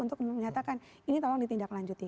untuk menyatakan ini tolong ditindaklanjuti